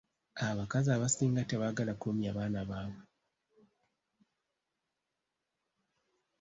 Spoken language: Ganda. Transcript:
Abakazi abasinga tebaagala kulumya baana baabwe.